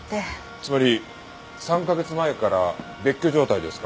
つまり３カ月前から別居状態ですか。